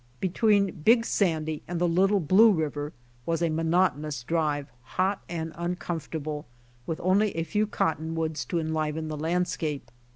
Between Big Sandy and the Little Blue river was a monotonous drive, hot and uncomfortable, with only a few cottonwoods to enliven the landscape.